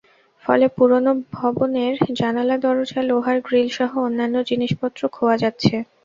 ফলে পুরোনো ভবনের জানালা, দরজা, লোহার গ্রিলসহ অন্যান্য জিনিসপত্র খোয়া যাচ্ছে।